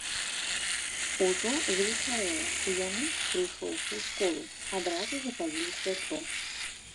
Ужо звечарэла, і яны, прыйшоўшы ў школу, адразу запалілі святло.